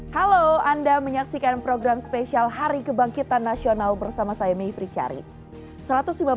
halo anda menyaksikan program spesial hari kebangkitan nasional bersama saya mayfri syarif